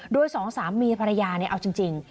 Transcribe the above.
โดยสองสามีภรรยาเอาจริง